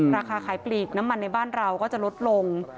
ราคาขายปลีกน้ำมันในบ้านเราก็จะลดลง